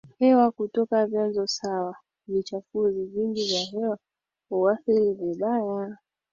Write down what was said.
hewa kutoka vyanzo sawa Vichafuzi vingi vya hewa huathiri vibaya